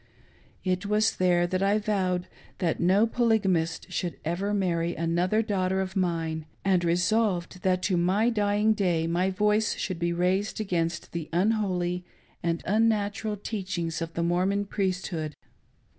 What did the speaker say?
It was there that I vowed that no Polygamist should ever marry another daughter of mine, and resolved that to my dying day my voice should be raised, against the unholy and unnatural teachings of the Mormon. Eriesthood.